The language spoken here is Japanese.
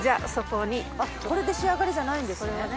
これで仕上がりじゃないんですね。